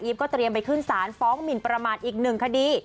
ก็เตรียมไปขึ้นศาลฟ้องหมินประมาทอีกหนึ่งคดี